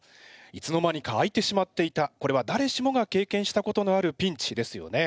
いつの間にか開いてしまっていたこれはだれしもが経験したことのあるピンチですよね。